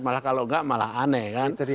malah kalau enggak malah aneh kan